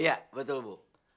iya betul bu